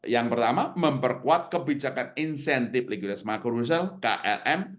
yang pertama memperkuat kebijakan insentif likuiditas makro rekrutasi